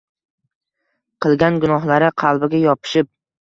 Qilgan gunohlari qalbiga yopishib